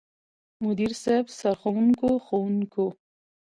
مدير صيب، سرښوونکو ،ښوونکو،